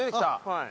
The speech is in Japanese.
はい。